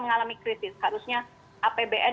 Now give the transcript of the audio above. mengalami kritis harusnya apbn